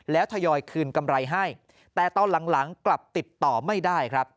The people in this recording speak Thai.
แล้วทยอยคืนกำไรให้แต่ตอนหลังกลับติดต่อไม่ได้ครับ